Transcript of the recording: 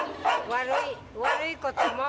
悪いことも。